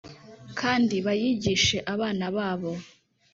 kandi bayigishe abana babo.’ “